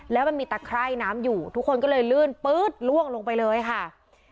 แล้วมันมีตะไคร่น้ำอยู่ทุกคนก็เลยลื่นปื๊ดล่วงลงไปเลยค่ะ